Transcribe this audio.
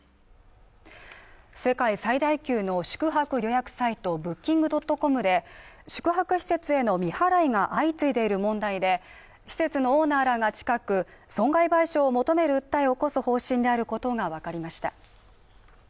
世界最大級の宿泊予約サイトブッキング・ドットコムで宿泊施設への未払いが相次いでいる問題で施設のオーナーらが近く損害賠償を求める訴えを起こす方針であることが分かりました